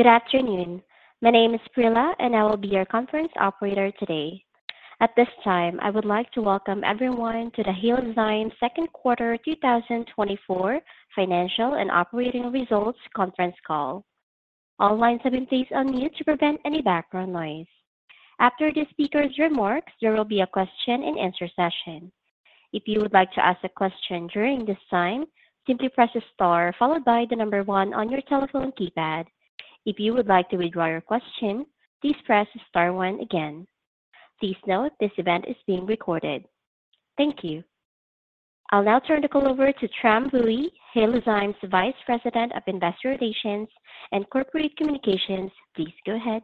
Good afternoon. My name is Prila, and I will be your conference operator today. At this time, I would like to welcome everyone to the Halozyme second quarter 2024 financial and operating results conference call. All lines have been placed on mute to prevent any background noise. After the speaker's remarks, there will be a question-and-answer session. If you would like to ask a question during this time, simply press the star followed by the number one on your telephone keypad. If you would like to withdraw your question, please press the star one again. Please note this event is being recorded. Thank you. I'll now turn the call over to Tram Bui, Halozyme's Vice President of Investor Relations and Corporate Communications. Please go ahead.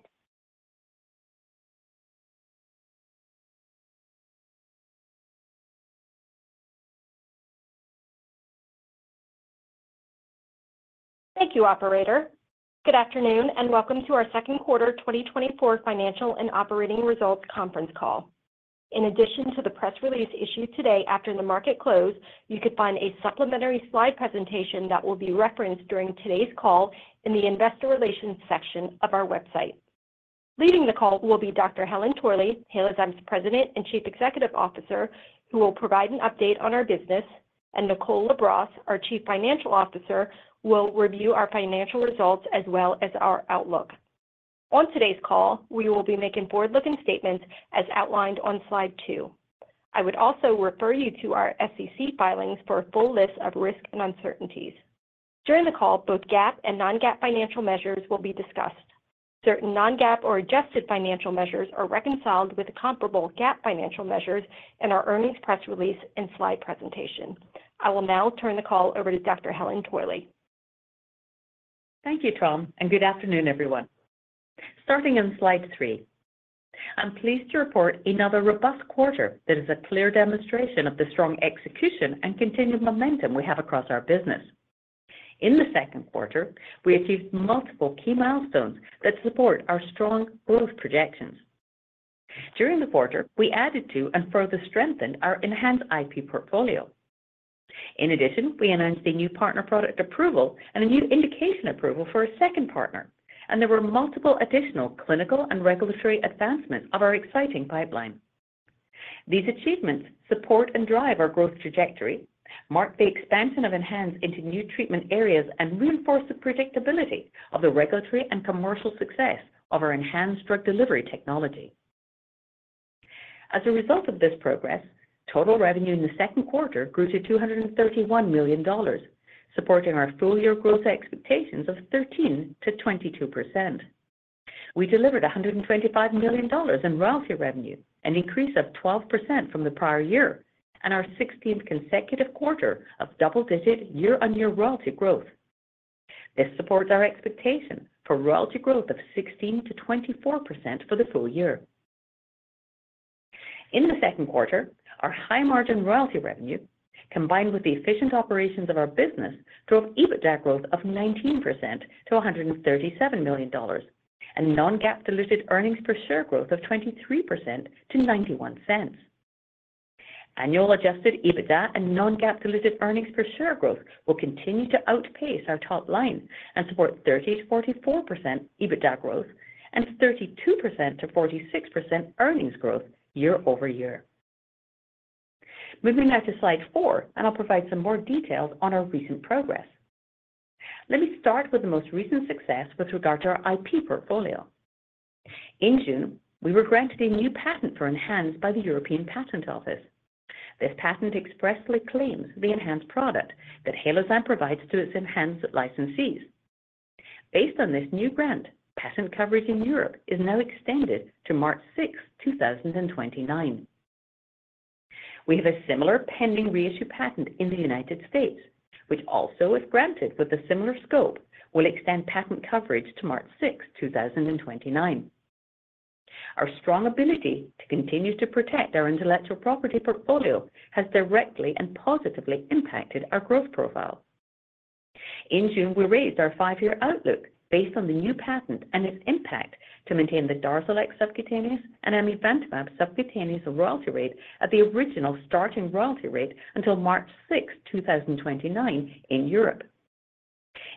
Thank you, Operator. Good afternoon and welcome to our second quarter 2024 financial and operating results conference call. In addition to the press release issued today after the market closed, you could find a supplementary slide presentation that will be referenced during today's call in the Investor Relations section of our website. Leading the call will be Dr. Helen Torley, Halozyme's President and Chief Executive Officer, who will provide an update on our business, and Nicole LaBrosse, our Chief Financial Officer, will review our financial results as well as our outlook. On today's call, we will be making forward-looking statements as outlined on slide two. I would also refer you to our SEC filings for a full list of risk and uncertainties. During the call, both GAAP and non-GAAP financial measures will be discussed. Certain non-GAAP or adjusted financial measures are reconciled with comparable GAAP financial measures in our earnings press release and slide presentation. I will now turn the call over to Dr. Helen Torley. Thank you, Tram, and good afternoon, everyone. Starting on slide 3, I'm pleased to report another robust quarter that is a clear demonstration of the strong execution and continued momentum we have across our business. In the second quarter, we achieved multiple key milestones that support our strong growth projections. During the quarter, we added to and further strengthened our ENHANZE IP portfolio. In addition, we announced a new partner product approval and a new indication approval for a second partner, and there were multiple additional clinical and regulatory advancements of our exciting pipeline. These achievements support and drive our growth trajectory, mark the expansion of ENHANZE into new treatment areas, and reinforce the predictability of the regulatory and commercial success of our ENHANZE drug delivery technology. As a result of this progress, total revenue in the second quarter grew to $231 million, supporting our full-year growth expectations of 13%-22%. We delivered $125 million in royalty revenue, an increase of 12% from the prior year, and our 16th consecutive quarter of double-digit year-on-year royalty growth. This supports our expectation for royalty growth of 16%-24% for the full year. In the second quarter, our high-margin royalty revenue, combined with the efficient operations of our business, drove EBITDA growth of 19% to $137 million, and non-GAAP diluted earnings per share growth of 23% to $0.91. Annual adjusted EBITDA and non-GAAP diluted earnings per share growth will continue to outpace our top line and support 30%-44% EBITDA growth and 32%-46% earnings growth year over year. Moving now to slide four, and I'll provide some more details on our recent progress. Let me start with the most recent success with regard to our IP portfolio. In June, we were granted a new patent for ENHANZE by the European Patent Office. This patent expressly claims the ENHANZE product that Halozyme provides to its ENHANZE licensees. Based on this new grant, patent coverage in Europe is now extended to March 6, 2029. We have a similar pending reissue patent in the United States, which also, if granted with a similar scope, will extend patent coverage to March 6, 2029. Our strong ability to continue to protect our intellectual property portfolio has directly and positively impacted our growth profile. In June, we raised our five-year outlook based on the new patent and its impact to maintain the DARZALEX subcutaneous and amivantamab subcutaneous royalty rate at the original starting royalty rate until March 6, 2029, in Europe.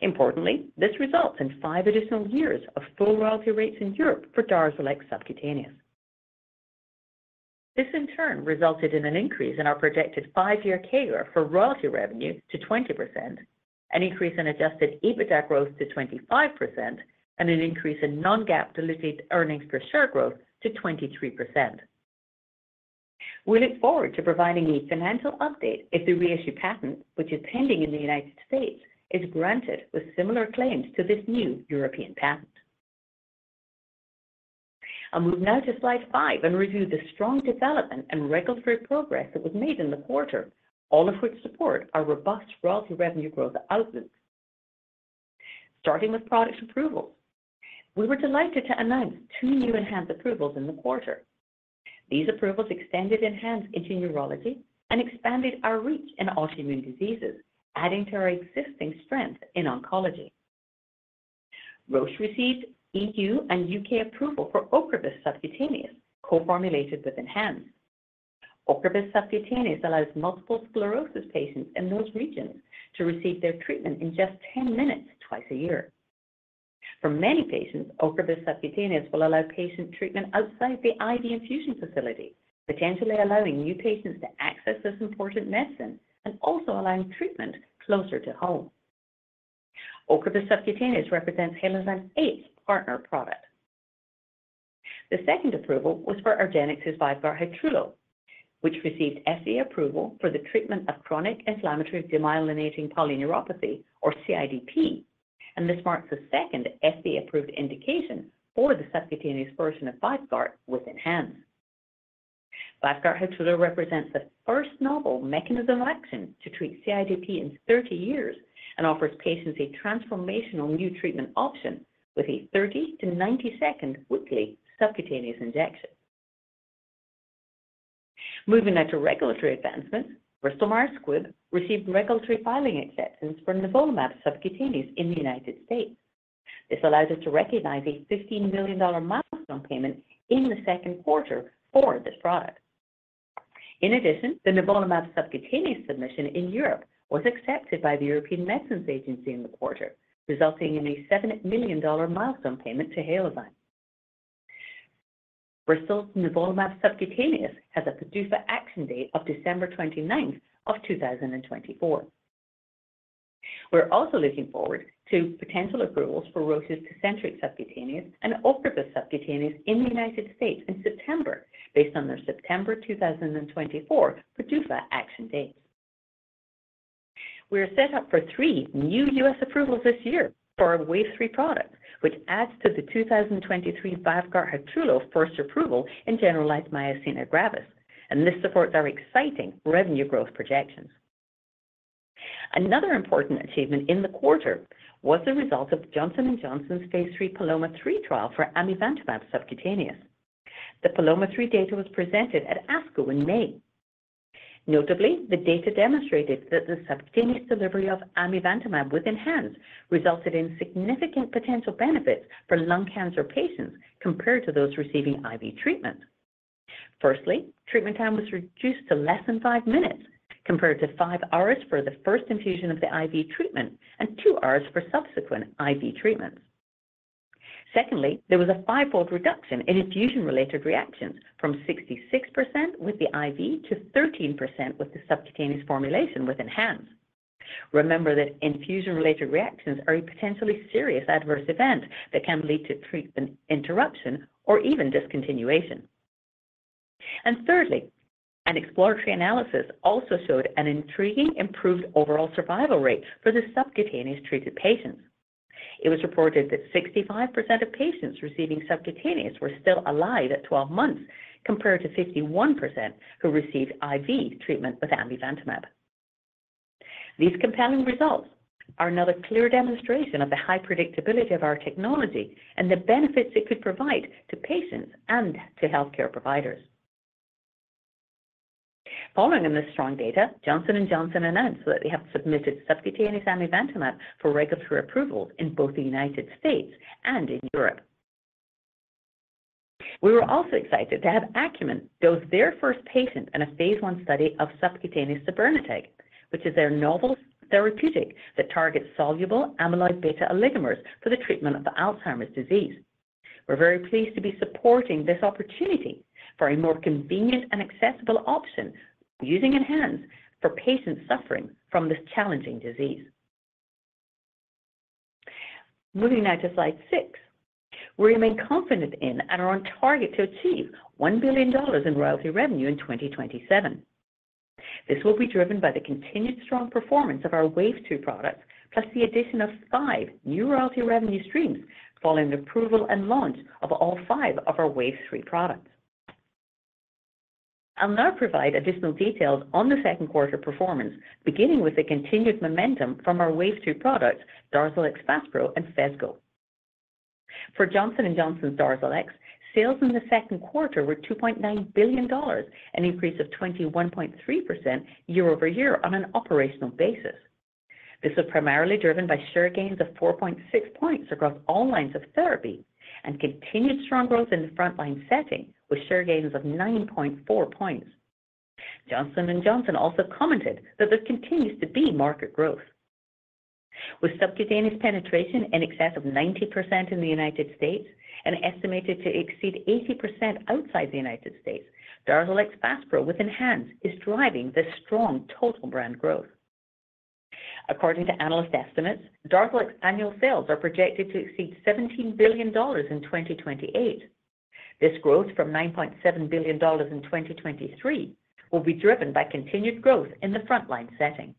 Importantly, this results in five additional years of full royalty rates in Europe for DARZALEX subcutaneous. This, in turn, resulted in an increase in our projected five-year CAGR for royalty revenue to 20%, an increase in adjusted EBITDA growth to 25%, and an increase in non-GAAP diluted earnings per share growth to 23%. We look forward to providing a financial update if the reissue patent, which is pending in the United States, is granted with similar claims to this new European patent. I'll move now to slide 5 and review the strong development and record-breaking progress that was made in the quarter, all of which support our robust royalty revenue growth outlook. Starting with product approvals, we were delighted to announce two new ENHANZE approvals in the quarter. These approvals extended ENHANZE into immunology and expanded our reach in autoimmune diseases, adding to our existing strength in oncology. Roche received EU and UK approval for Ocrevus SC, co-formulated with ENHANZE. Ocrevus SC allows multiple sclerosis patients in those regions to receive their treatment in just 10 minutes twice a year. For many patients, Ocrevus SC will allow patient treatment outside the IV infusion facility, potentially allowing new patients to access this important medicine and also allowing treatment closer to home. Ocrevus SC represents Halozyme's eighth partner product. The second approval was for argenx's VYVGART Hytrulo, which received FDA approval for the treatment of chronic inflammatory demyelinating polyneuropathy, or CIDP, and this marks the second FDA-approved indication for the subcutaneous version of VYVGART with ENHANZE. VYVGART Hytrulo represents the first novel mechanism of action to treat CIDP in 30 years and offers patients a transformational new treatment option with a 30-90-second weekly subcutaneous injection. Moving now to regulatory advancements, Bristol Myers Squibb received regulatory filing acceptance for nivolumab subcutaneous in the United States. This allows us to recognize a $15 million milestone payment in the second quarter for this product. In addition, the nivolumab subcutaneous submission in Europe was accepted by the European Medicines Agency in the quarter, resulting in a $7 million milestone payment to Halozyme. Bristol's nivolumab subcutaneous has a PDUFA action date of December 29th of 2024. We're also looking forward to potential approvals for Roche's Tecentriq subcutaneous and Ocrevus subcutaneous in the United States in September, based on their September 2024 PDUFA action dates. We are set up for three new US approvals this year for our Wave 3 products, which adds to the 2023 VYVGART Hytrulo first approval in generalized myasthenia gravis, and this supports our exciting revenue growth projections. Another important achievement in the quarter was the result of Johnson & Johnson's Phase 3 PALOMA-3 trial for amivantamab subcutaneous. The PALOMA-3 data was presented at ASCO in May. Notably, the data demonstrated that the subcutaneous delivery of amivantamab with ENHANZE resulted in significant potential benefits for lung cancer patients compared to those receiving IV treatment. Firstly, treatment time was reduced to less than 5 minutes compared to 5 hours for the first infusion of the IV treatment and 2 hours for subsequent IV treatments. Secondly, there was a 5-fold reduction in infusion-related reactions from 66% with the IV to 13% with the subcutaneous formulation with ENHANZE. Remember that infusion-related reactions are a potentially serious adverse event that can lead to treatment interruption or even discontinuation. And thirdly, an exploratory analysis also showed an intriguing improved overall survival rate for the subcutaneous treated patients. It was reported that 65% of patients receiving subcutaneous were still alive at 12 months compared to 51% who received IV treatment with amivantamab. These compelling results are another clear demonstration of the high predictability of our technology and the benefits it could provide to patients and to healthcare providers. Following on this strong data, Johnson & Johnson announced that they have submitted subcutaneous amivantamab for regulatory approvals in both the United States and in Europe. We were also excited to have Acumen dose their first patient in a Phase 1 study of subcutaneous sabirnetug, which is their novel therapeutic that targets soluble amyloid beta oligomers for the treatment of Alzheimer's disease. We're very pleased to be supporting this opportunity for a more convenient and accessible option using ENHANZE for patients suffering from this challenging disease. Moving now to slide 6, we remain confident in and are on target to achieve $1 billion in royalty revenue in 2027. This will be driven by the continued strong performance of our Wave 2 products, plus the addition of 5 new royalty revenue streams following the approval and launch of all 5 of our Wave 3 products. I'll now provide additional details on the second quarter performance, beginning with the continued momentum from our Wave 2 products, DARZALEX FASPRO, and Phesgo. For Johnson & Johnson's DARZALEX, sales in the second quarter were $2.9 billion, an increase of 21.3% year-over-year on an operational basis. This was primarily driven by share gains of 4.6 points across all lines of therapy and continued strong growth in the frontline setting with share gains of 9.4 points. Johnson & Johnson also commented that there continues to be market growth. With subcutaneous penetration in excess of 90% in the United States and estimated to exceed 80% outside the United States, DARZALEX FASPRO with ENHANZE is driving this strong total brand growth. According to analyst estimates, DARZALEX's annual sales are projected to exceed $17 billion in 2028. This growth from $9.7 billion in 2023 will be driven by continued growth in the frontline setting.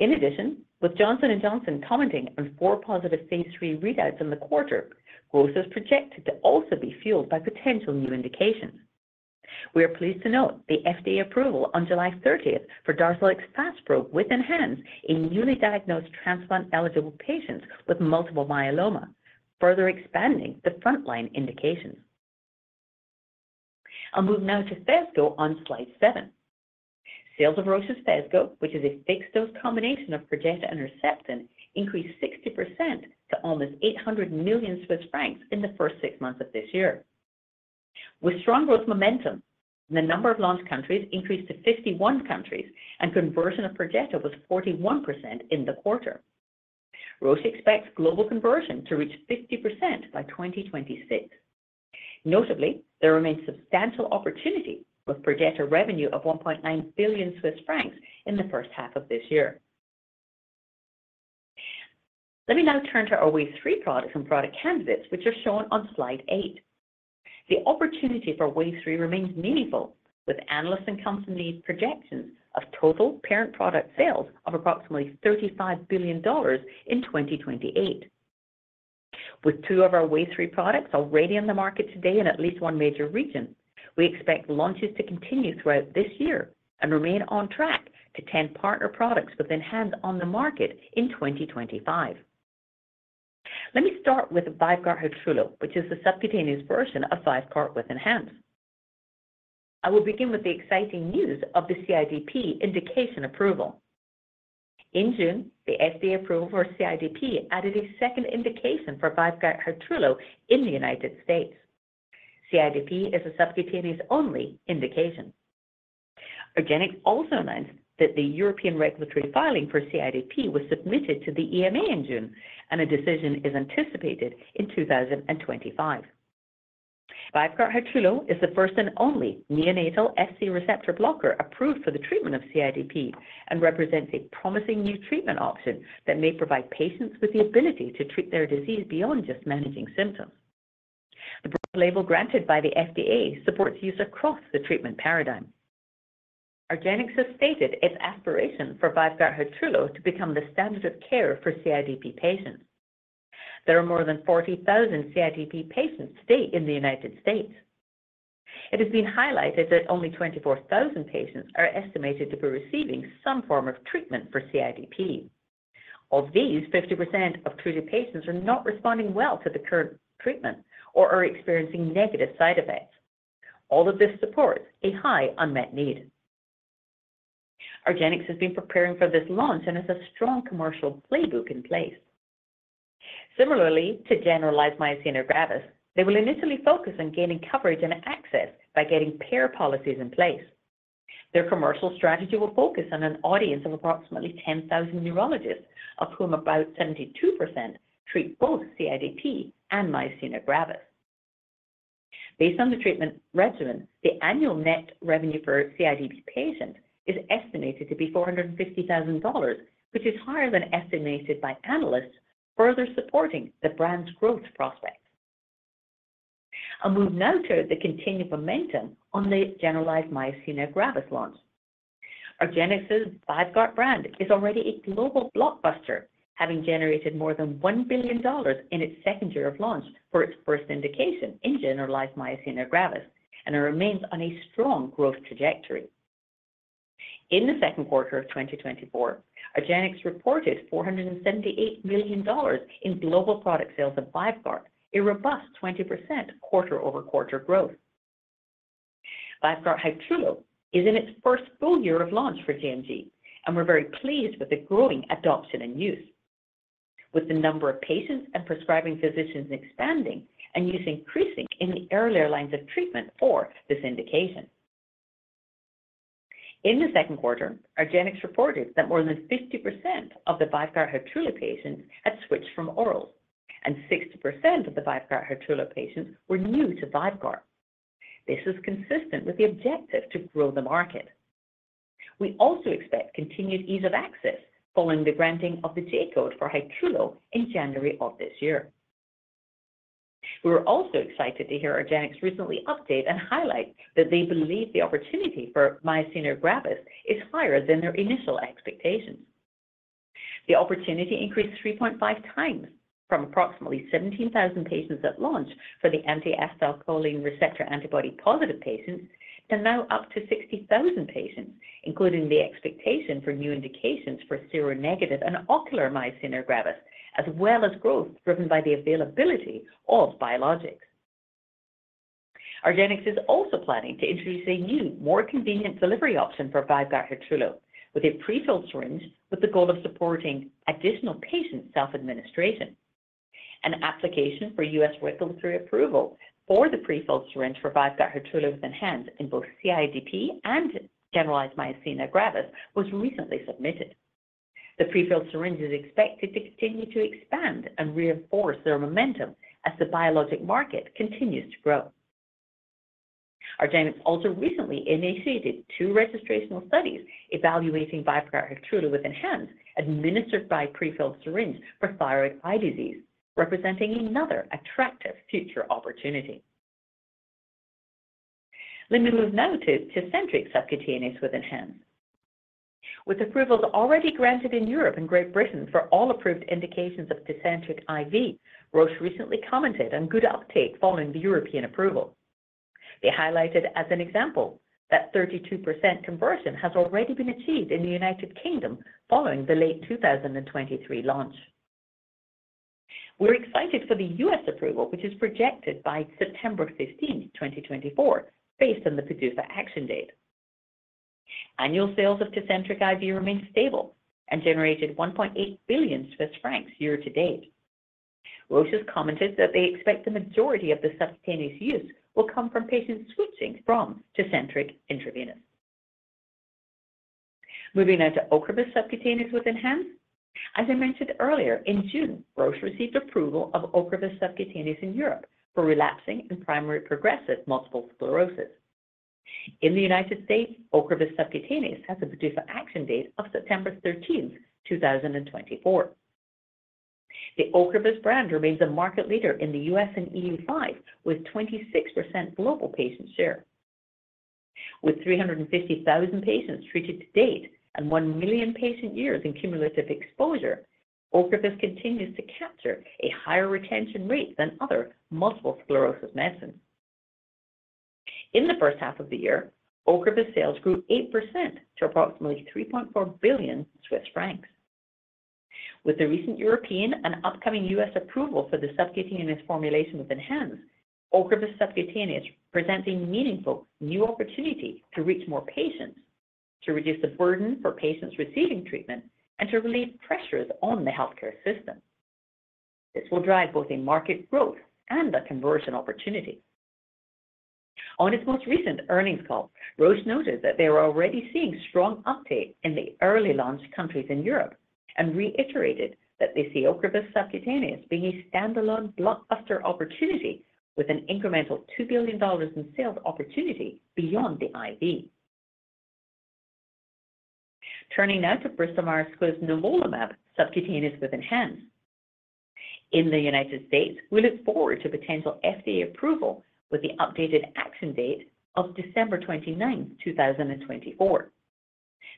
In addition, with Johnson & Johnson commenting on four positive Phase 3 readouts in the quarter, growth is projected to also be fueled by potential new indications. We are pleased to note the FDA approval on July 30th for DARZALEX FASPRO with ENHANZE in newly diagnosed transplant-eligible patients with multiple myeloma, further expanding the frontline indications. I'll move now to Phesgo on slide seven. Sales of Roche's Phesgo, which is a fixed-dose combination of Perjeta and Herceptin, increased 60% to almost 800 million Swiss francs in the first six months of this year. With strong growth momentum, the number of launch countries increased to 51 countries, and conversion of Perjeta was 41% in the quarter. Roche expects global conversion to reach 50% by 2026. Notably, there remains substantial opportunity with Perjeta revenue of 1.9 billion Swiss francs in the first half of this year. Let me now turn to our Wave 3 products and product candidates, which are shown on slide eight. The opportunity for Wave 3 remains meaningful, with analysts and comps independent projections of total partner product sales of approximately $35 billion in 2028. With two of our Wave 3 products already on the market today in at least one major region, we expect launches to continue throughout this year and remain on track to 10 partner products with ENHANZE on the market in 2025. Let me start with VYVGART Hytrulo, which is the subcutaneous version of VYVGART with ENHANZE. I will begin with the exciting news of the CIDP indication approval. In June, the FDA approval for CIDP added a second indication for VYVGART Hytrulo in the United States. CIDP is a subcutaneous-only indication. argenx also announced that the European regulatory filing for CIDP was submitted to the EMA in June, and a decision is anticipated in 2025. VYVGART Hytrulo is the first and only neonatal Fc receptor blocker approved for the treatment of CIDP and represents a promising new treatment option that may provide patients with the ability to treat their disease beyond just managing symptoms. The broad label granted by the FDA supports use across the treatment paradigm. argenx has stated its aspiration for VYVGART Hytrulo to become the standard of care for CIDP patients. There are more than 40,000 CIDP patients today in the United States. It has been highlighted that only 24,000 patients are estimated to be receiving some form of treatment for CIDP. Of these, 50% of treated patients are not responding well to the current treatment or are experiencing negative side effects. All of this supports a high unmet need. argenx has been preparing for this launch and has a strong commercial playbook in place. Similarly to generalized myasthenia gravis, they will initially focus on gaining coverage and access by getting payer policies in place. Their commercial strategy will focus on an audience of approximately 10,000 neurologists, of whom about 72% treat both CIDP and myasthenia gravis. Based on the treatment regimen, the annual net revenue for CIDP patients is estimated to be $450,000, which is higher than estimated by analysts, further supporting the brand's growth prospects. I'll move now to the continued momentum on the generalized myasthenia gravis launch. argenx's VYVGART brand is already a global blockbuster, having generated more than $1 billion in its second year of launch for its first indication in generalized myasthenia gravis, and it remains on a strong growth trajectory. In the second quarter of 2024, argenx reported $478 million in global product sales of VYVGART, a robust 20% quarter-over-quarter growth. VYVGART Hytrulo is in its first full year of launch for gMG, and we're very pleased with the growing adoption and use, with the number of patients and prescribing physicians expanding and use increasing in the earlier lines of treatment for this indication. In the second quarter, argenx reported that more than 50% of the VYVGART Hytrulo patients had switched from orals, and 60% of the VYVGART Hytrulo patients were new to VYVGART. This is consistent with the objective to grow the market. We also expect continued ease of access following the granting of the J-code for Hytrulo in January of this year. We were also excited to hear argenx recently update and highlight that they believe the opportunity for myasthenia gravis is higher than their initial expectations. The opportunity increased 3.5 times from approximately 17,000 patients at launch for the anti-acetylcholine receptor antibody positive patients to now up to 60,000 patients, including the expectation for new indications for seronegative and ocular myasthenia gravis, as well as growth driven by the availability of biologics. argenx is also planning to introduce a new, more convenient delivery option for VYVGART Hytrulo with a prefilled syringe, with the goal of supporting additional patient self-administration. An application for U.S. regulatory approval for the prefilled syringe for VYVGART Hytrulo with ENHANZE in both CIDP and generalized myasthenia gravis was recently submitted. The prefilled syringe is expected to continue to expand and reinforce their momentum as the biologic market continues to grow. argenx also recently initiated two registrational studies evaluating VYVGART Hytrulo with ENHANZE administered by prefilled syringe for thyroid eye disease, representing another attractive future opportunity. Let me move now to Tecentriq subcutaneous with ENHANZE. With approvals already granted in Europe and Great Britain for all approved indications of Tecentriq IV, Roche recently commented on good uptake following the European approval. They highlighted as an example that 32% conversion has already been achieved in the United Kingdom following the late 2023 launch. We're excited for the U.S. approval, which is projected by September 15th, 2024, based on the PDUFA action date. Annual sales of Tecentriq IV remain stable and generated 1.8 billion Swiss francs year-to-date. Roche has commented that they expect the majority of the subcutaneous use will come from patients switching from Tecentriq intravenous. Moving now to Ocrevus subcutaneous with ENHANZE. As I mentioned earlier, in June, Roche received approval of Ocrevus subcutaneous in Europe for relapsing and primary progressive multiple sclerosis. In the United States, Ocrevus SC has a PDUFA action date of September 13th, 2024. The Ocrevus brand remains a market leader in the U.S. and EU5 with 26% global patient share. With 350,000 patients treated to date and 1 million patient years in cumulative exposure, Ocrevus continues to capture a higher retention rate than other multiple sclerosis medicines. In the first half of the year, Ocrevus sales grew 8% to approximately 3.4 billion Swiss francs. With the recent European and upcoming U.S. approval for the subcutaneous formulation with ENHANZE, Ocrevus SC presents a meaningful new opportunity to reach more patients, to reduce the burden for patients receiving treatment, and to relieve pressures on the healthcare system. This will drive both a market growth and a conversion opportunity. On its most recent earnings call, Roche noted that they are already seeing strong uptake in the early launch countries in Europe and reiterated that they see Ocrevus subcutaneous being a standalone blockbuster opportunity with an incremental $2 billion in sales opportunity beyond the IV. Turning now to Bristol Myers Squibb nivolumab subcutaneous with ENHANZE. In the United States, we look forward to potential FDA approval with the updated action date of December 29th, 2024.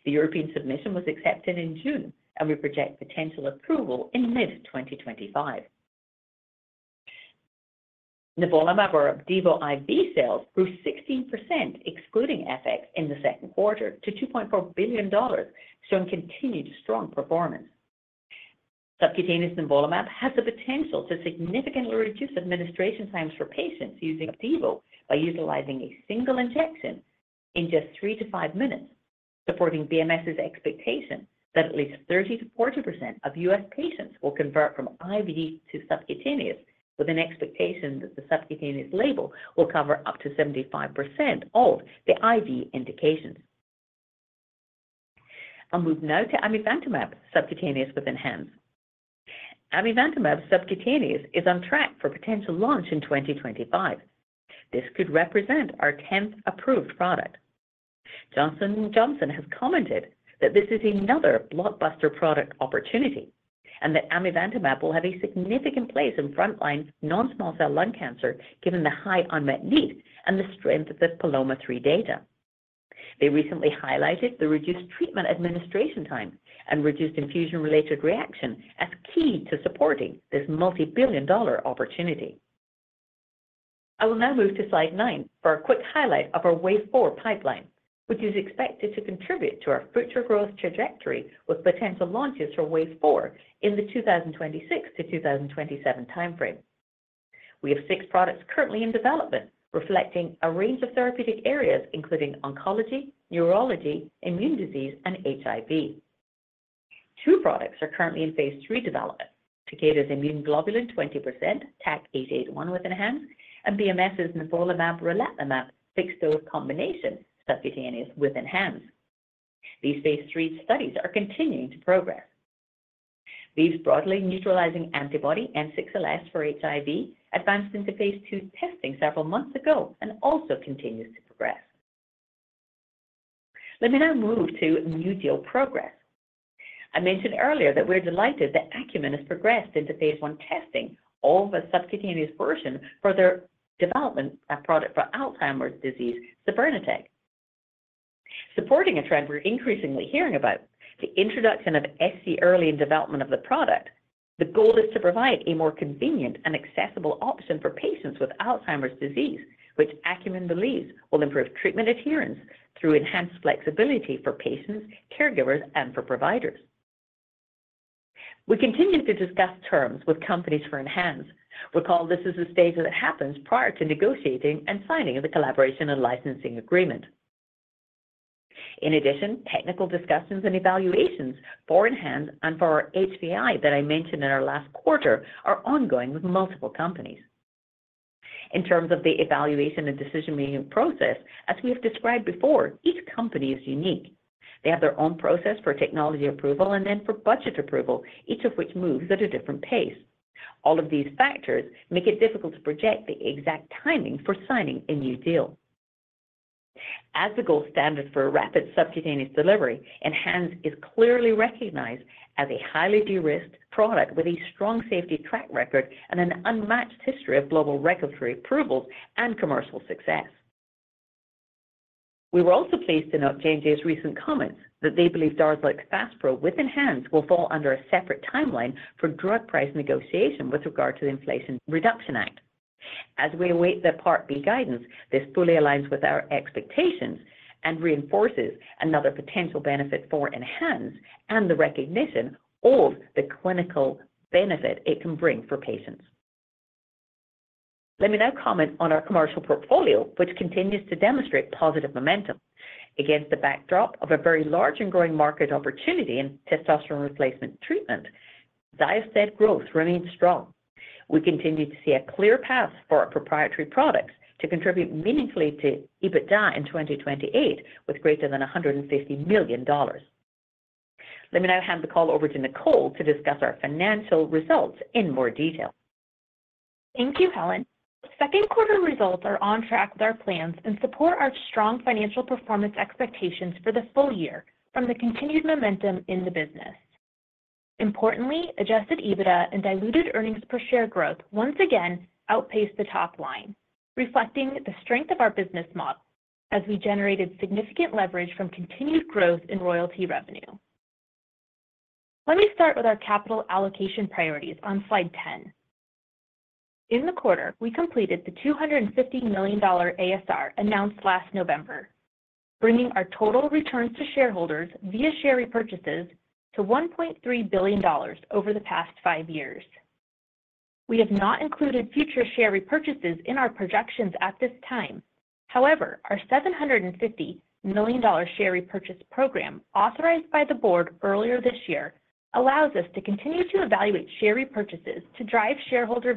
The European submission was accepted in June, and we project potential approval in mid-2025. Nivolumab or Opdivo IV sales grew 16%, excluding FX, in the second quarter to $2.4 billion, showing continued strong performance. Subcutaneous nivolumab has the potential to significantly reduce administration times for patients using Opdivo by utilizing a single injection in just 3-5 minutes, supporting BMS's expectation that at least 30%-40% of U.S. patients will convert from IV to subcutaneous, with an expectation that the subcutaneous label will cover up to 75% of the IV indications. I'll move now to amivantamab subcutaneous with ENHANZE. amivantamab subcutaneous is on track for potential launch in 2025. This could represent our 10th approved product. Johnson & Johnson has commented that this is another blockbuster product opportunity and that amivantamab will have a significant place in frontline non-small cell lung cancer given the high unmet need and the strength of the PALOMA-3 data. They recently highlighted the reduced treatment administration time and reduced infusion-related reaction as key to supporting this multi-billion dollar opportunity. I will now move to slide 9 for a quick highlight of our Wave 4 pipeline, which is expected to contribute to our future growth trajectory with potential launches for Wave 4 in the 2026-2027 timeframe. We have 6 products currently in development reflecting a range of therapeutic areas, including oncology, neurology, immune disease, and HIV. Two products are currently in Phase 3 development: Takeda's immune globulin 20%, TAK-881 with ENHANZE, and BMS's nivolumab/relatlimab fixed-dose combination subcutaneous with ENHANZE. These Phase 3 studies are continuing to progress. These broadly neutralizing antibody N6LS for HIV advanced into Phase 2 testing several months ago and also continues to progress. Let me now move to new deal progress. I mentioned earlier that we're delighted that Acumen has progressed into Phase 1 testing of a subcutaneous version for their development product for Alzheimer's disease, sabirnetug. Supporting a trend we're increasingly hearing about, the introduction of SC early in development of the product, the goal is to provide a more convenient and accessible option for patients with Alzheimer's disease, which Acumen believes will improve treatment adherence through ENHANZE flexibility for patients, caregivers, and for providers. We continue to discuss terms with companies for ENHANZE. Recall this is a stage that happens prior to negotiating and signing the collaboration and licensing agreement. In addition, technical discussions and evaluations for ENHANZE and for our HVI that I mentioned in our last quarter are ongoing with multiple companies. In terms of the evaluation and decision-making process, as we have described before, each company is unique. They have their own process for technology approval and then for budget approval, each of which moves at a different pace. All of these factors make it difficult to project the exact timing for signing a new deal. As the gold standard for rapid subcutaneous delivery, ENHANZE is clearly recognized as a highly de-risked product with a strong safety track record and an unmatched history of global regulatory approvals and commercial success. We were also pleased to note J&J's recent comments that they believe DARZALEX FASPRO with ENHANZE will fall under a separate timeline for drug price negotiation with regard to the Inflation Reduction Act. As we await the Part B guidance, this fully aligns with our expectations and reinforces another potential benefit for ENHANZE and the recognition of the clinical benefit it can bring for patients. Let me now comment on our commercial portfolio, which continues to demonstrate positive momentum. Against the backdrop of a very large and growing market opportunity in testosterone replacement treatment, XYOSTED growth remains strong. We continue to see a clear path for our proprietary products to contribute meaningfully to EBITDA in 2028 with greater than $150 million. Let me now hand the call over to Nicole to discuss our financial results in more detail. Thank you, Helen. Second quarter results are on track with our plans and support our strong financial performance expectations for the full year from the continued momentum in the business. Importantly, adjusted EBITDA and diluted earnings per share growth once again outpaced the top line, reflecting the strength of our business model as we generated significant leverage from continued growth in royalty revenue. Let me start with our capital allocation priorities on slide 10. In the quarter, we completed the $250 million ASR announced last November, bringing our total returns to shareholders via share repurchases to $1.3 billion over the past five years. We have not included future share repurchases in our projections at this time. However, our $750 million share repurchase program authorized by the board earlier this year allows us to continue to evaluate share repurchases to drive shareholder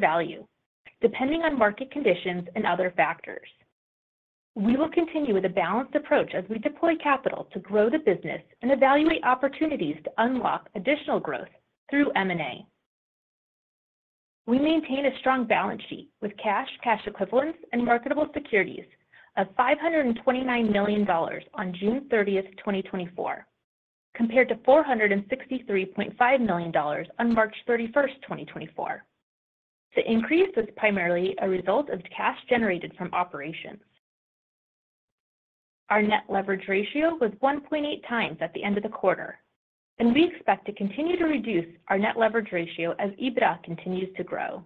value depending on market conditions and other factors. We will continue with a balanced approach as we deploy capital to grow the business and evaluate opportunities to unlock additional growth through M&A. We maintain a strong balance sheet with cash, cash equivalents, and marketable securities of $529 million on June 30th, 2024, compared to $463.5 million on March 31st, 2024. The increase was primarily a result of cash generated from operations. Our net leverage ratio was 1.8 times at the end of the quarter, and we expect to continue to reduce our net leverage ratio as EBITDA continues to grow.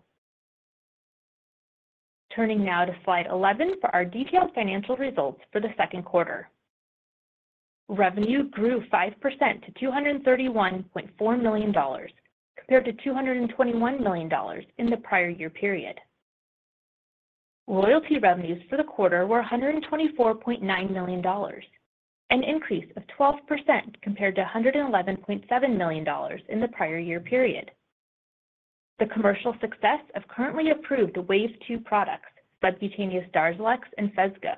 Turning now to slide 11 for our detailed financial results for the second quarter. Revenue grew 5% to $231.4 million, compared to $221 million in the prior year period. Loyalty revenues for the quarter were $124.9 million, an increase of 12% compared to $111.7 million in the prior year period. The commercial success of currently approved Wave 2 products, subcutaneous DARZALEX and Phesgo,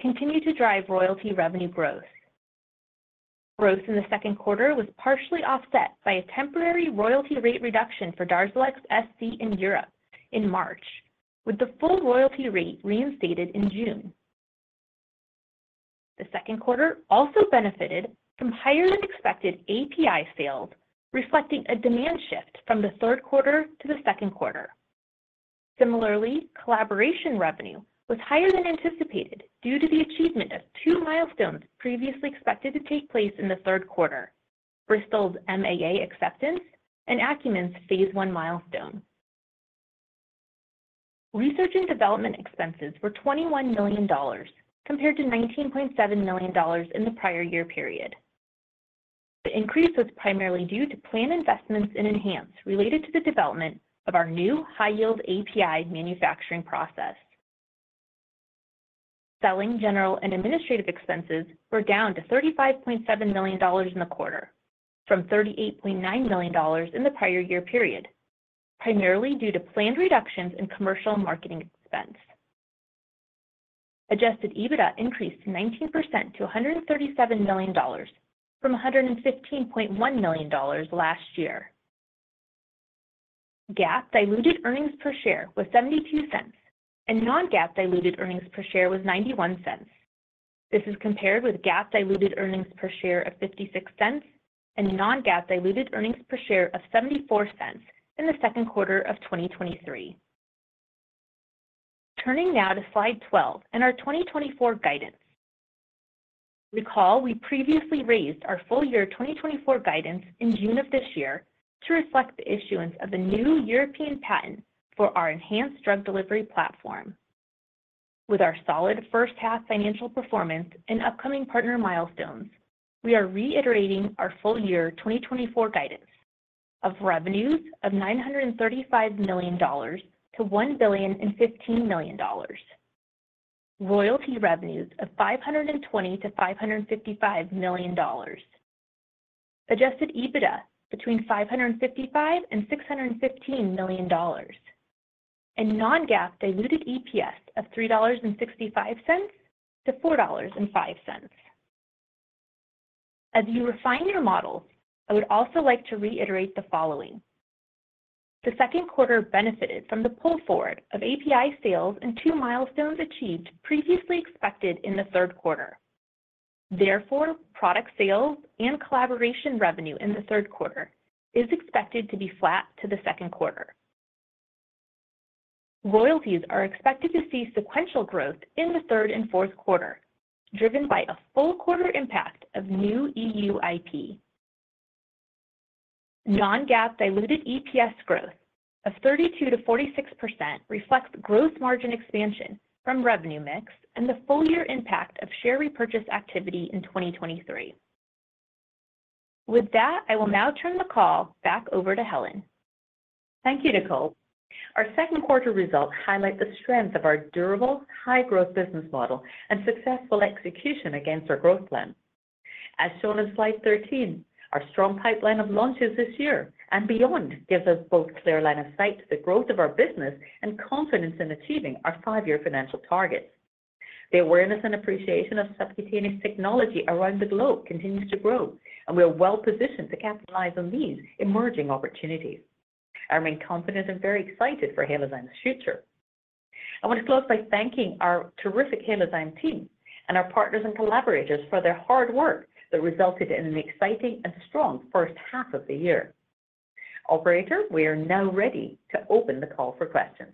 continued to drive royalty revenue growth. Growth in the second quarter was partially offset by a temporary royalty rate reduction for DARZALEX SC in Europe in March, with the full royalty rate reinstated in June. The second quarter also benefited from higher than expected API sales, reflecting a demand shift from the third quarter to the second quarter. Similarly, collaboration revenue was higher than anticipated due to the achievement of two milestones previously expected to take place in the third quarter: Bristol's MAA acceptance and Acumen's Phase 1 milestone. Research and development expenses were $21 million, compared to $19.7 million in the prior year period. The increase was primarily due to planned investments in ENHANZE related to the development of our new high-yield API manufacturing process. Selling, general, and administrative expenses were down to $35.7 million in the quarter, from $38.9 million in the prior year period, primarily due to planned reductions in commercial and marketing expense. Adjusted EBITDA increased 19% to $137 million, from $115.1 million last year. GAAP diluted earnings per share was $0.72, and non-GAAP diluted earnings per share was $0.91. This is compared with GAAP diluted earnings per share of $0.56 and non-GAAP diluted earnings per share of $0.74 in the second quarter of 2023. Turning now to slide 12 and our 2024 guidance. Recall we previously raised our full year 2024 guidance in June of this year to reflect the issuance of the new European patent for our ENHANZE drug delivery platform. With our solid first half financial performance and upcoming partner milestones, we are reiterating our full year 2024 guidance of revenues of $935 million to $1 billion and $15 million, royalty revenues of $520-$555 million, adjusted EBITDA between $555 and $615 million, and non-GAAP diluted EPS of $3.65-$4.05. As you refine your models, I would also like to reiterate the following. The second quarter benefited from the pull forward of API sales and two milestones achieved previously expected in the third quarter. Therefore, product sales and collaboration revenue in the third quarter is expected to be flat to the second quarter. Royalty is expected to see sequential growth in the third and fourth quarter, driven by a full quarter impact of new EU IP. Non-GAAP diluted EPS growth of 32%-46% reflects gross margin expansion from revenue mix and the full year impact of share repurchase activity in 2023. With that, I will now turn the call back over to Helen. Thank you, Nicole. Our second quarter results highlight the strength of our durable, high-growth business model and successful execution against our growth plan. As shown in slide 13, our strong pipeline of launches this year and beyond gives us both a clear line of sight to the growth of our business and confidence in achieving our five-year financial targets. The awareness and appreciation of subcutaneous technology around the globe continues to grow, and we are well positioned to capitalize on these emerging opportunities. I remain confident and very excited for Halozyme's future. I want to close by thanking our terrific Halozyme team and our partners and collaborators for their hard work that resulted in an exciting and strong first half of the year. Operator, we are now ready to open the call for questions.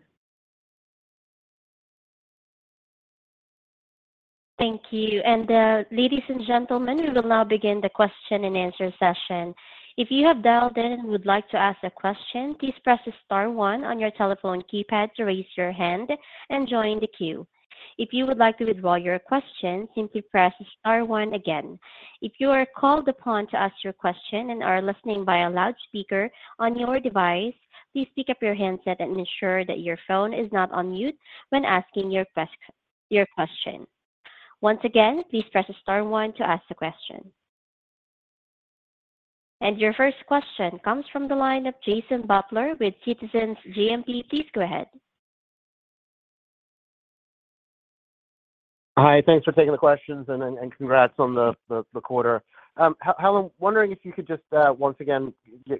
Thank you. And ladies and gentlemen, we will now begin the question and answer session. If you have dialed in and would like to ask a question, please press the star one on your telephone keypad to raise your hand and join the queue. If you would like to withdraw your question, simply press the star one again. If you are called upon to ask your question and are listening via loudspeaker on your device, please pick up your handset and ensure that your phone is not on mute when asking your question. Once again, please press the star one to ask the question. Your first question comes from the line of Jason Butler with Citizens JMP. Please go ahead. Hi, thanks for taking the questions and congrats on the quarter. Helen, wondering if you could just once again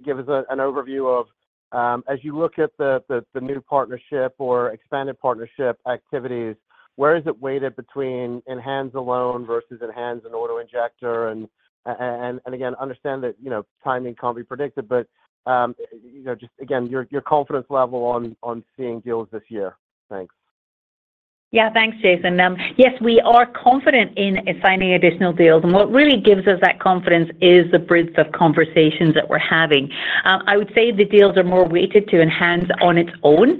give us an overview of, as you look at the new partnership or expanded partnership activities, where is it weighted between ENHANZE alone versus ENHANZE and autoinjector? And again, understand that timing can't be predicted, but just again, your confidence level on seeing deals this year. Thanks. Yeah, thanks, Jason. Yes, we are confident in signing additional deals. What really gives us that confidence is the breadth of conversations that we're having. I would say the deals are more weighted to ENHANZE on its own,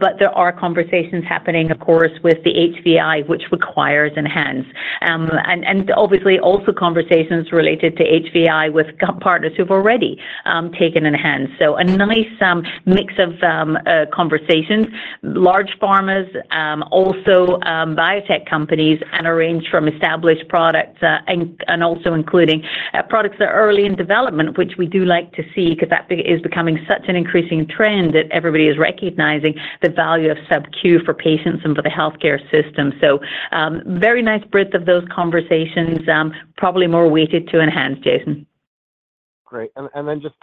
but there are conversations happening, of course, with the HVI, which requires ENHANZE. And obviously, also conversations related to HVI with partners who've already taken ENHANZE. A nice mix of conversations, large pharmas, also biotech companies, and a range from established products and also including products that are early in development, which we do like to see because that is becoming such an increasing trend that everybody is recognizing the value of subQ for patients and for the healthcare system. Very nice breadth of those conversations, probably more weighted to ENHANZE, Jason. Great. And then just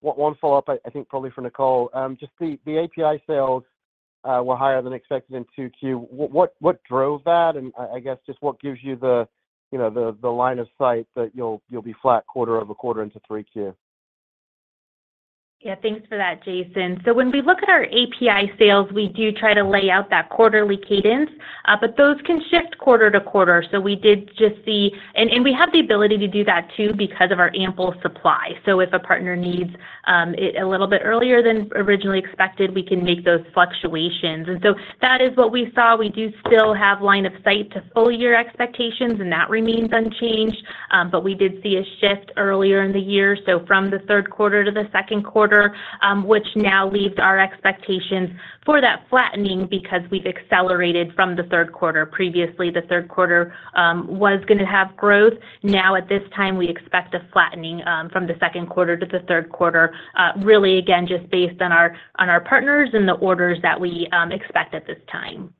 one follow-up, I think probably for Nicole. Just the API sales were higher than expected in 2Q. What drove that? I guess just what gives you the line of sight that you'll be flat quarter-over-quarter into 3Q? Yeah, thanks for that, Jason. So when we look at our API sales, we do try to lay out that quarterly cadence, but those can shift quarter to quarter. We did just see, and we have the ability to do that too because of our ample supply. So if a partner needs it a little bit earlier than originally expected, we can make those fluctuations. And so that is what we saw. We do still have line of sight to full year expectations, and that remains unchanged, but we did see a shift earlier in the year. So from the third quarter to the second quarter, which now leaves our expectations for that flattening because we've accelerated from the third quarter. Previously, the third quarter was going to have growth. Now, at this time, we expect a flattening from the second quarter to the third quarter, really again, just based on our partners and the orders that we expect at this time.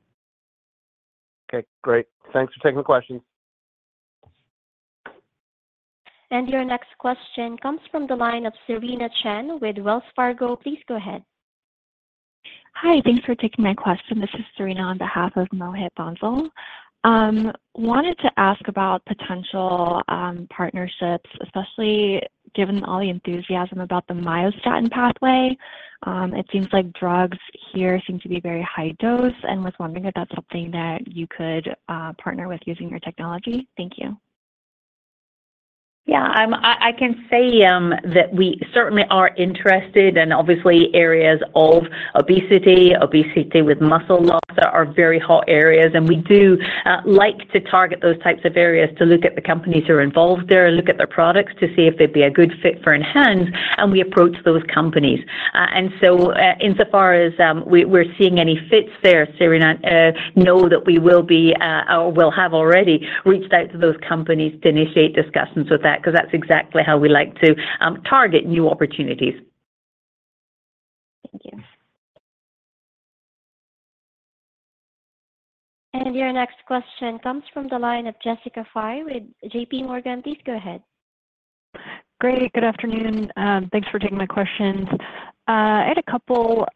Okay, great. Thanks for taking the questions. And your next question comes from the line of Serena Chen with Wells Fargo. Please go ahead. Hi, thanks for taking my question. This is Serena on behalf of Mohit Bansal. Wanted to ask about potential partnerships, especially given all the enthusiasm about the myostatin pathway. It seems like drugs here seem to be very high dose, and was wondering if that's something that you could partner with using your technology. Thank you. Yeah, I can say that we certainly are interested in obviously areas of obesity, obesity with muscle loss that are very hot areas. And we do like to target those types of areas to look at the companies who are involved there and look at their products to see if they'd be a good fit for ENHANZE, and we approach those companies. And so insofar as we're seeing any fits there, Serena, know that we will have already reached out to those companies to initiate discussions with that because that's exactly how we like to target new opportunities. Thank you. And your next question comes from the line of Jessica Fye with J.P. Morgan. Please go ahead. Great. Good afternoon. Thanks for taking my questions. I had a couple.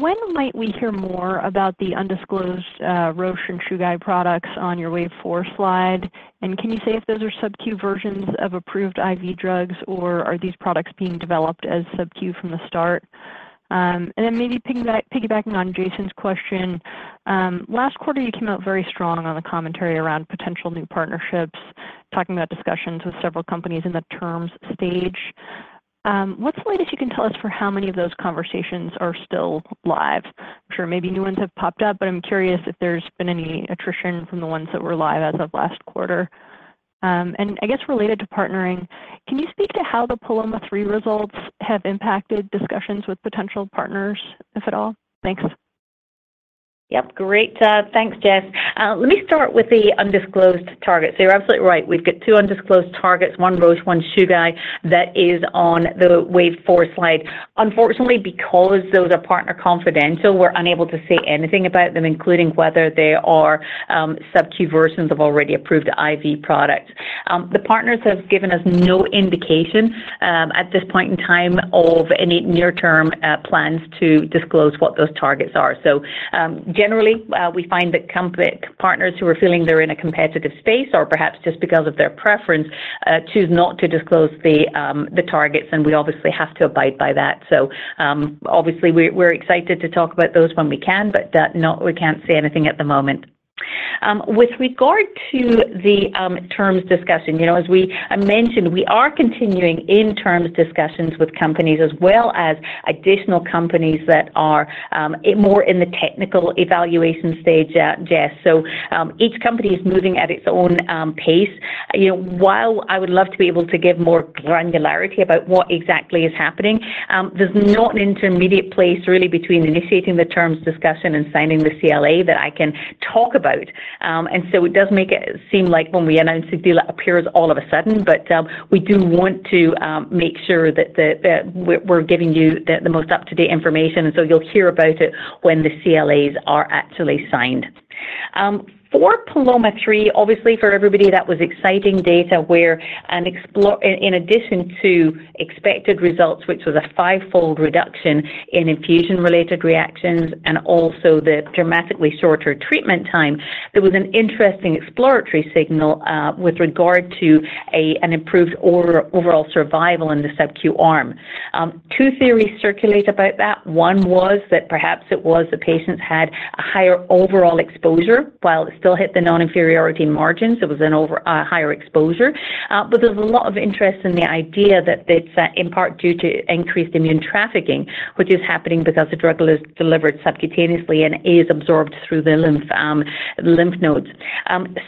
When might we hear more about the undisclosed Roche and Chugai products on your wave four slide? And can you say if those are subQ versions of approved IV drugs, or are these products being developed as subQ from the start? And then maybe piggybacking on Jason's question, last quarter, you came out very strong on the commentary around potential new partnerships, talking about discussions with several companies in the terms stage. What's the latest you can tell us for how many of those conversations are still live? I'm sure maybe new ones have popped up, but I'm curious if there's been any attrition from the ones that were live as of last quarter. And I guess related to partnering, can you speak to how the PALOMA-3 results have impacted discussions with potential partners, if at all? Thanks. Yep. Great. Thanks, Jess. Let me start with the undisclosed targets. So you're absolutely right. We've got two undisclosed targets, one Roche, one Chugai, that is on the wave four slide. Unfortunately, because those are partner confidential, we're unable to say anything about them, including whether they are subQ versions of already approved IV products. The partners have given us no indication at this point in time of any near-term plans to disclose what those targets are. So generally, we find that partners who are feeling they're in a competitive space, or perhaps just because of their preference, choose not to disclose the targets, and we obviously have to abide by that. So obviously, we're excited to talk about those when we can, but we can't say anything at the moment. With regard to the terms discussion, as we mentioned, we are continuing in terms discussions with companies as well as additional companies that are more in the technical evaluation stage, Jess. So each company is moving at its own pace. While I would love to be able to give more granularity about what exactly is happening, there's not an intermediate place really between initiating the terms discussion and signing the CLA that I can talk about. And so it does make it seem like when we announce a deal, it appears all of a sudden, but we do want to make sure that we're giving you the most up-to-date information. And so you'll hear about it when the CLAs are actually signed. For PALOMA-3, obviously, for everybody, that was exciting data where, in addition to expected results, which was a five-fold reduction in infusion-related reactions and also the dramatically shorter treatment time, there was an interesting exploratory signal with regard to an improved overall survival in the subQ arm. Two theories circulate about that. One was that perhaps it was the patients had a higher overall exposure while it still hit the non-inferiority margins. It was a higher exposure. But there's a lot of interest in the idea that it's in part due to increased immune trafficking, which is happening because the drug is delivered subcutaneously and is absorbed through the lymph nodes.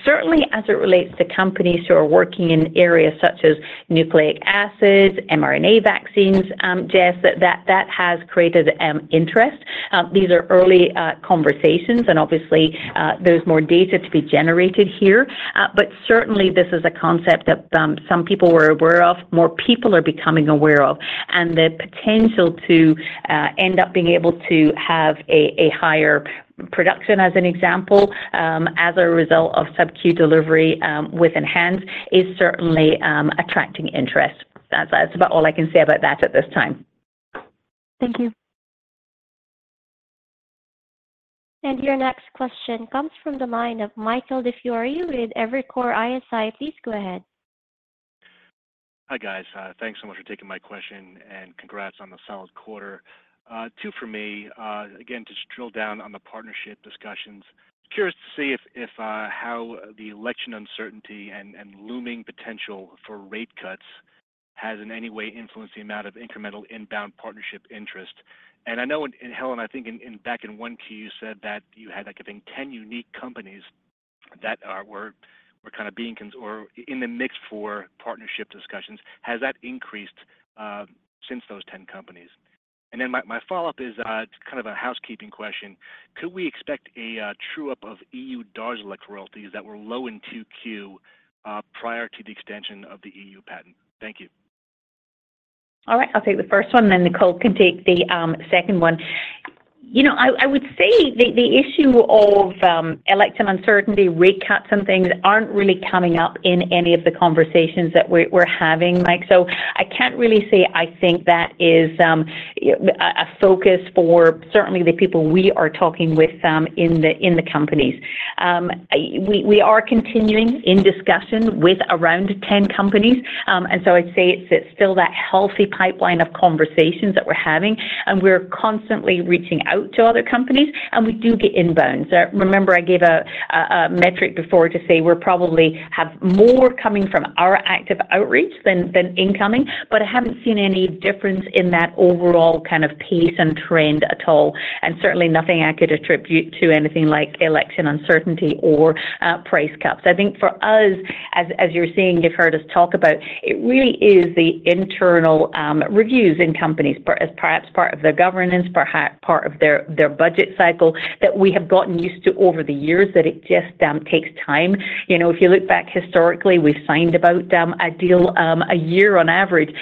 Certainly, as it relates to companies who are working in areas such as nucleic acids, mRNA vaccines, Jess, that has created interest. These are early conversations, and obviously, there's more data to be generated here. But certainly, this is a concept that some people were aware of, more people are becoming aware of, and the potential to end up being able to have a higher production, as an example, as a result of subQ delivery with ENHANZE is certainly attracting interest. That's about all I can say about that at this time. Thank you. And your next question comes from the line of Michael DiFiore with Evercore ISI. Please go ahead. Hi guys. Thanks so much for taking my question and congrats on the solid quarter. Two for me. Again, to drill down on the partnership discussions, curious to see how the election uncertainty and looming potential for rate cuts has in any way influenced the amount of incremental inbound partnership interest. And I know, Helen, I think back in one Q, you said that you had like 10 unique companies that were kind of being or in the mix for partnership discussions. Has that increased since those 10 companies? And then my follow-up is kind of a housekeeping question. Could we expect a true-up of EU DARZALEX royalties that were low in 2Q prior to the extension of the EU patent? Thank you. All right. I'll take the first one, and then Nicole can take the second one. I would say the issue of election uncertainty, rate cuts, and things aren't really coming up in any of the conversations that we're having, Mike. So I can't really say I think that is a focus for certainly the people we are talking with in the companies. We are continuing in discussion with around 10 companies. And so I'd say it's still that healthy pipeline of conversations that we're having, and we're constantly reaching out to other companies, and we do get inbounds. Remember, I gave a metric before to say we probably have more coming from our active outreach than incoming, but I haven't seen any difference in that overall kind of pace and trend at all. Certainly, nothing I could attribute to anything like election uncertainty or price cuts. I think for us, as you're seeing, you've heard us talk about, it really is the internal reviews in companies, perhaps part of their governance, perhaps part of their budget cycle that we have gotten used to over the years that it just takes time. If you look back historically, we've signed about a deal a year on average.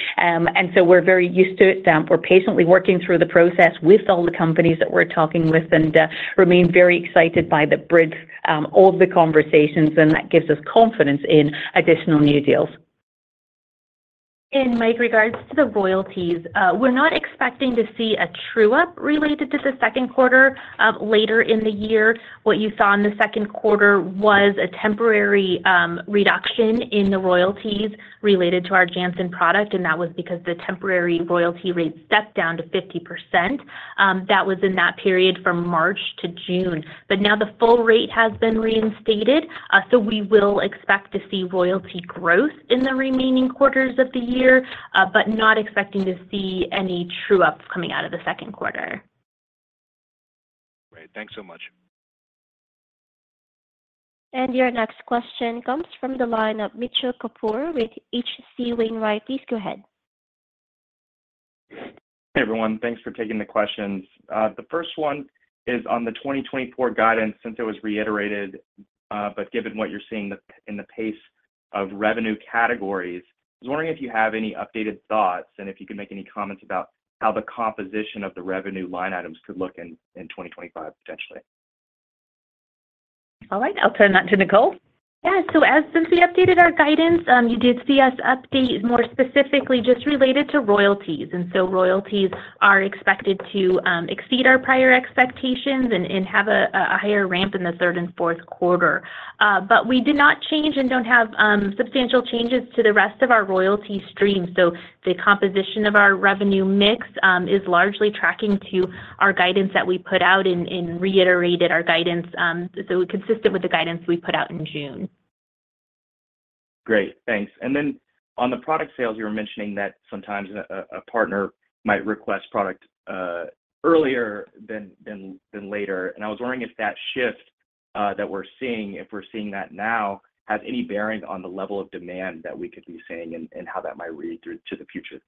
So we're very used to it. We're patiently working through the process with all the companies that we're talking with and remain very excited by the breadth of the conversations, and that gives us confidence in additional new deals. In my regards to the royalties, we're not expecting to see a true-up related to the second quarter later in the year. What you saw in the second quarter was a temporary reduction in the royalties related to our Janssen product, and that was because the temporary royalty rate stepped down to 50%. That was in that period from March to June. But now the full rate has been reinstated, so we will expect to see royalty growth in the remaining quarters of the year, but not expecting to see any true-ups coming out of the second quarter. Great. Thanks so much. And your next question comes from the line of Mitchell Kapoor with H.C. Wainwright & Co. Please go ahead. Hey everyone, thanks for taking the questions. The first one is on the 2024 guidance since it was reiterated, but given what you're seeing in the pace of revenue categories, I was wondering if you have any updated thoughts and if you could make any comments about how the composition of the revenue line items could look in 2025 potentially. All right. I'll turn that to Nicole. Yeah. So as since we updated our guidance, you did see us update more specifically just related to royalties. And so royalties are expected to exceed our prior expectations and have a higher ramp in the third and fourth quarter. But we did not change and don't have substantial changes to the rest of our royalty stream. So the composition of our revenue mix is largely tracking to our guidance that we put out and reiterated our guidance, so consistent with the guidance we put out in June. Great. Thanks. And then on the product sales, you were mentioning that sometimes a partner might request product earlier than later. And I was wondering if that shift that we're seeing, if we're seeing that now, has any bearing on the level of demand that we could be seeing and how that might read through to the future.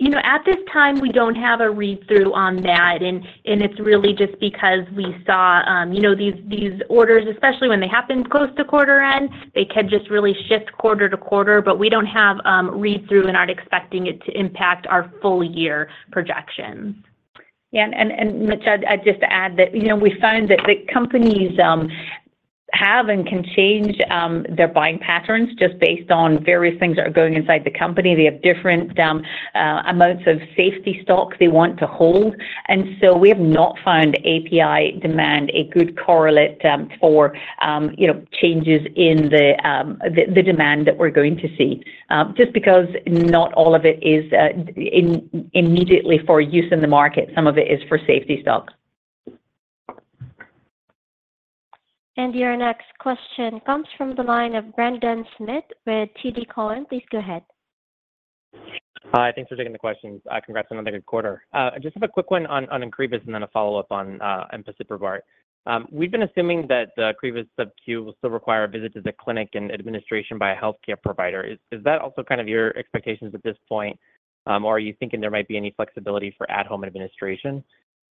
At this time, we don't have a read-through on that, and it's really just because we saw these orders. Especially when they happen close to quarter end, they can just really shift quarter to quarter, but we don't have read-through and aren't expecting it to impact our full year projections. Yeah. And Mitch, I'd just add that we find that the companies have and can change their buying patterns just based on various things that are going inside the company. They have different amounts of safety stock they want to hold. And so we have not found API demand, a good correlate for changes in the demand that we're going to see, just because not all of it is immediately for use in the market. Some of it is for safety stock. And your next question comes from the line of Brendan Smith with TD Cowen. Please go ahead. Hi. Thanks for taking the questions. Congrats on another good quarter. I just have a quick one on Ocrevus and then a follow-up on empasiprubart. We've been assuming that the Ocrevus subQ will still require a visit to the clinic and administration by a healthcare provider. Is that also kind of your expectations at this point, or are you thinking there might be any flexibility for at-home administration?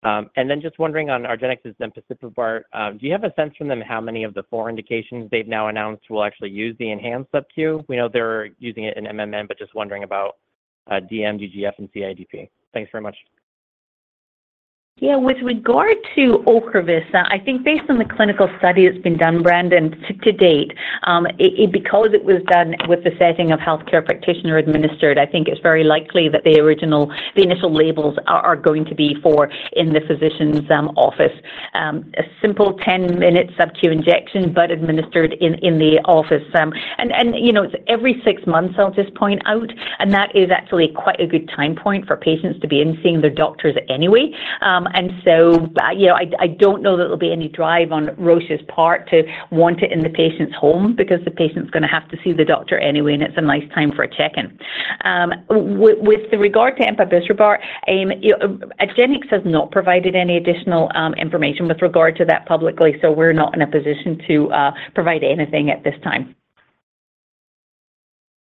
And then just wondering on argenx's empasiprubart, do you have a sense from them how many of the four indications they've now announced will actually use the ENHANZE subQ? We know they're using it in MMN, but just wondering about DM, gMG, and CIDP. Thanks very much. Yeah. With regard to Ocrevus, I think based on the clinical study that's been done, Brendan, to date, because it was done with the setting of healthcare practitioner administered, I think it's very likely that the initial labels are going to be for in the physician's office. A simple 10-minute subQ injection, but administered in the office. And it's every six months, I'll just point out, and that is actually quite a good time point for patients to be in seeing their doctors anyway. And so I don't know that there'll be any drive on Roche's part to want it in the patient's home because the patient's going to have to see the doctor anyway, and it's a nice time for a check-in. With regard to empasiprubart, argenx has not provided any additional information with regard to that publicly, so we're not in a position to provide anything at this time.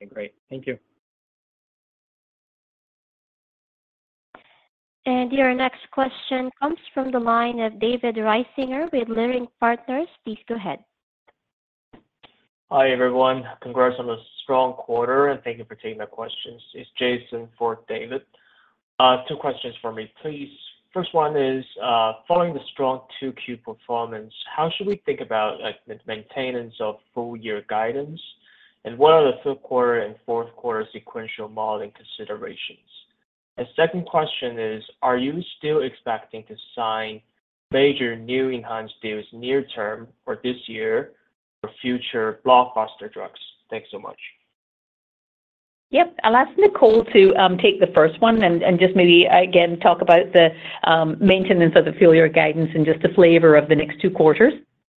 Okay. Great. Thank you. And your next question comes from the line of David Risinger with Leerink Partners. Please go ahead. Hi everyone. Congrats on a strong quarter, and thank you for taking my questions. It's Jason for David. Two questions for me, please. First one is, following the strong 2Q performance, how should we think about maintenance of full-year guidance, and what are the third quarter and fourth quarter sequential modeling considerations? Second question is, are you still expecting to sign major new ENHANZE deals near term for this year or future blockbuster drugs? Thanks so much. Yep. I'll ask Nicole to take the first one and just maybe, again, talk about the maintenance of the full-year guidance and just the flavor of the next two quarters.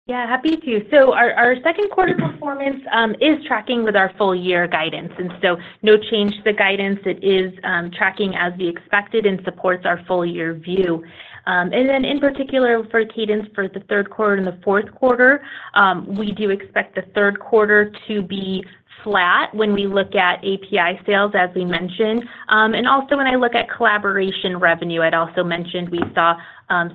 Yeah. Happy to. So our second quarter performance is tracking with our full-year guidance. And so no change to the guidance. It is tracking as we expected and supports our full-year view. And then in particular for cadence for the third quarter and the fourth quarter, we do expect the third quarter to be flat when we look at API sales, as we mentioned. And also when I look at collaboration revenue, I'd also mentioned we saw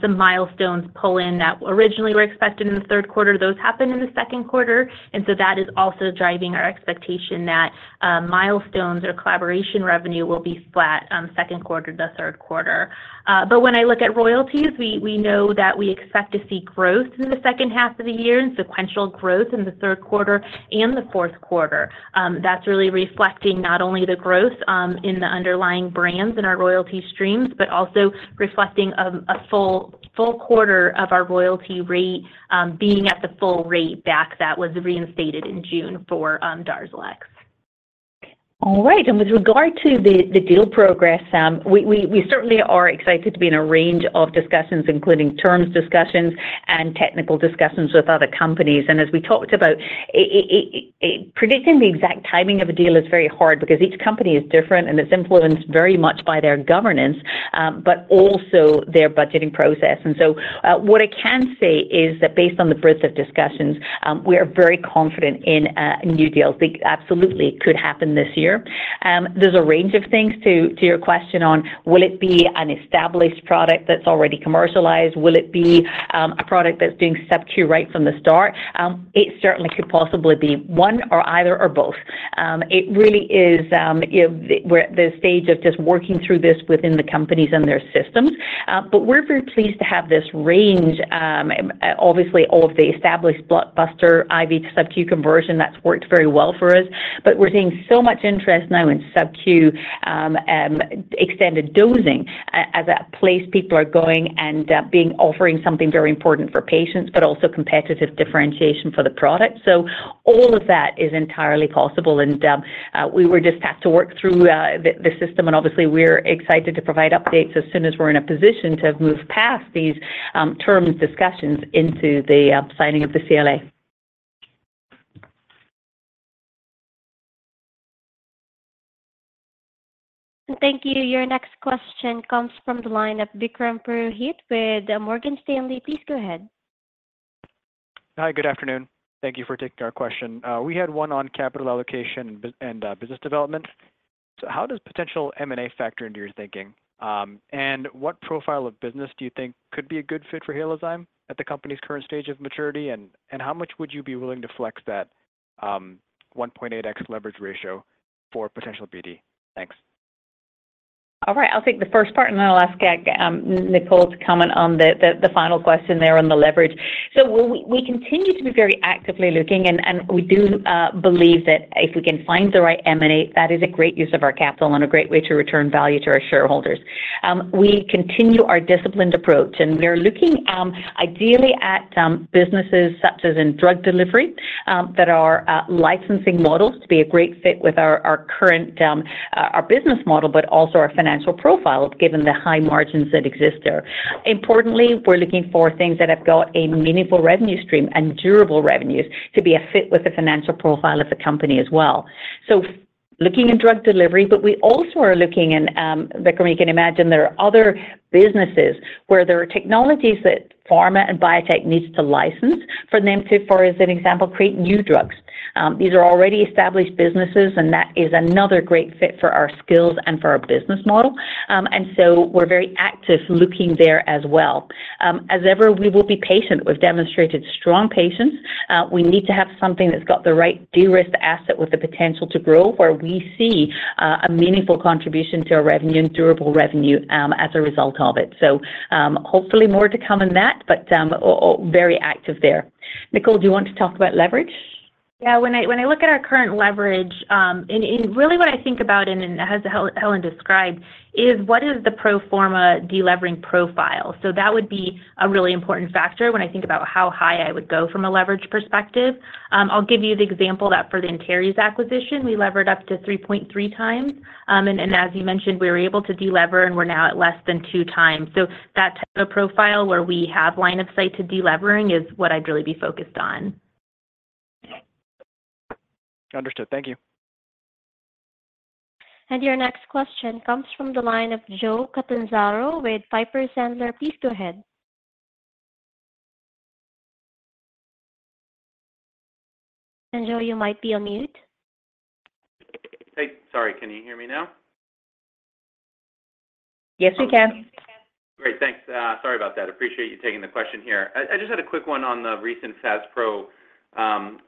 some milestones pull in that originally were expected in the third quarter. Those happened in the second quarter. And so that is also driving our expectation that milestones or collaboration revenue will be flat second quarter to third quarter. But when I look at royalties, we know that we expect to see growth in the second half of the year and sequential growth in the third quarter and the fourth quarter. That's really reflecting not only the growth in the underlying brands and our royalty streams, but also reflecting a full quarter of our royalty rate being at the full rate back that was reinstated in June for DARZALEX. All right. And with regard to the deal progress, we certainly are excited to be in a range of discussions, including terms discussions and technical discussions with other companies. As we talked about, predicting the exact timing of a deal is very hard because each company is different and is influenced very much by their governance, but also their budgeting process. So what I can say is that based on the breadth of discussions, we are very confident in new deals. They absolutely could happen this year. There's a range of things to your question on, will it be an established product that's already commercialized? Will it be a product that's doing subQ right from the start? It certainly could possibly be one or either or both. It really is the stage of just working through this within the companies and their systems. But we're very pleased to have this range, obviously, of the established blockbuster IV to subQ conversion that's worked very well for us. But we're seeing so much interest now in subQ extended dosing as a place people are going and being offering something very important for patients, but also competitive differentiation for the product. So all of that is entirely possible, and we were just asked to work through the system, and obviously, we're excited to provide updates as soon as we're in a position to move past these terms discussions into the signing of the CLA. Thank you. Your next question comes from the line of Vikram Purohit with Morgan Stanley. Please go ahead. Hi. Good afternoon. Thank you for taking our question. We had one on capital allocation and business development. So how does potential M&A factor into your thinking, and what profile of business do you think could be a good fit for Halozyme at the company's current stage of maturity, and how much would you be willing to flex that 1.8x leverage ratio for potential BD? Thanks. All right. I'll take the first part, and then I'll ask Nicole to comment on the final question there on the leverage. So we continue to be very actively looking, and we do believe that if we can find the right M&A, that is a great use of our capital and a great way to return value to our shareholders. We continue our disciplined approach, and we are looking ideally at businesses such as in drug delivery that are licensing models to be a great fit with our current business model, but also our financial profile given the high margins that exist there. Importantly, we're looking for things that have got a meaningful revenue stream and durable revenues to be a fit with the financial profile of the company as well. So looking in drug delivery, but we also are looking in, Vikram, you can imagine there are other businesses where there are technologies that pharma and biotech needs to license for them to, for as an example, create new drugs. These are already established businesses, and that is another great fit for our skills and for our business model. And so we're very active looking there as well. As ever, we will be patient. We've demonstrated strong patience. We need to have something that's got the right de-risked asset with the potential to grow where we see a meaningful contribution to our revenue and durable revenue as a result of it. So hopefully more to come on that, but very active there. Nicole, do you want to talk about leverage? Yeah. When I look at our current leverage, and really what I think about, and as Helen described, is what is the pro forma delevering profile. So that would be a really important factor when I think about how high I would go from a leverage perspective. I'll give you the example that for the Antares acquisition, we levered up to 3.3x. And as you mentioned, we were able to delever, and we're now at less than 2x. So that type of profile where we have line of sight to deleveraging is what I'd really be focused on. Understood. Thank you. And your next question comes from the line of Joe Catanzaro with Piper Sandler. Please go ahead. And Joe, you might be on mute. Hey. Sorry. Can you hear me now? Yes, we can. Great. Thanks. Sorry about that. Appreciate you taking the question here. I just had a quick one on the recent DARZALEX FASPRO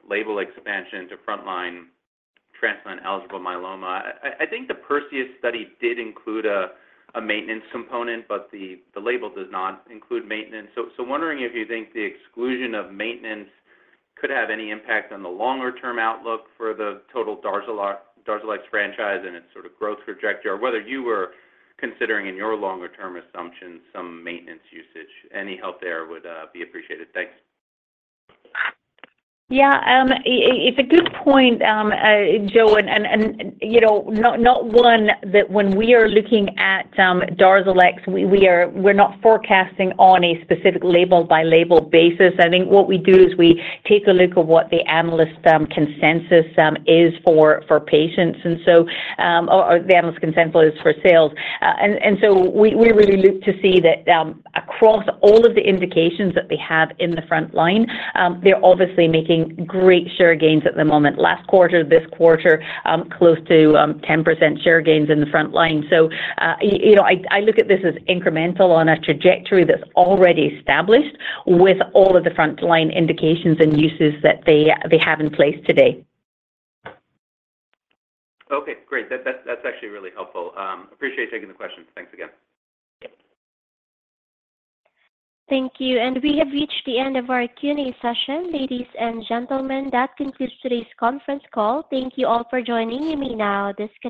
label expansion to frontline transplant-eligible myeloma. I think the PERSEUS study did include a maintenance component, but the label does not include maintenance. So wondering if you think the exclusion of maintenance could have any impact on the longer-term outlook for the total DARZALEX franchise and its sort of growth trajectory, or whether you were considering in your longer-term assumptions some maintenance usage. Any help there would be appreciated. Thanks. Yeah. It's a good point, Joe, and not one that when we are looking at DARZALEX, we're not forecasting on a specific label-by-label basis. I think what we do is we take a look at what the analyst consensus is for patients, and so the analyst consensus is for sales. And so we really look to see that across all of the indications that they have in the frontline, they're obviously making great share gains at the moment. Last quarter, this quarter, close to 10% share gains in the frontline. So I look at this as incremental on a trajectory that's already established with all of the frontline indications and uses that they have in place today. Okay. Great. That's actually really helpful. Appreciate you taking the question. Thanks again. Thank you. And we have reached the end of our Q&A session. Ladies and gentlemen, that concludes today's conference call. Thank you all for joining. You may now disconnect.